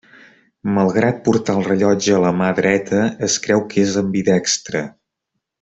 Malgrat portar el rellotge a la mà dreta, es creu que és ambidextre.